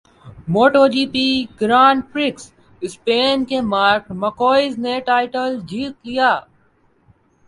motto G P Grand Prix Spain کے Marc Marquez نےٹائٹل جیت لیا